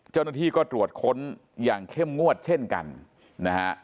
เจ้าหน้าที่ก็ตรวจค้นอย่างเข้มงวดเช่นกันนะฮะ